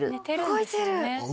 動いてる！